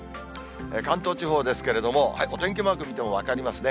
関東地方ですけれども、お天気マーク見ても分かりますね。